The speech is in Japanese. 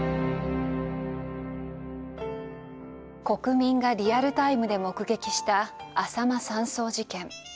国民がリアルタイムで目撃したあさま山荘事件。